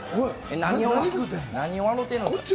何を笑うてんの？